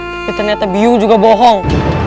tapi ternyata biu juga bohong